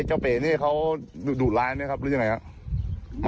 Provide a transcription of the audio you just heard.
ชาวบ้านก็บอกว่าไม่รู้ว่าทำยังไงดีเหมือนกันนะ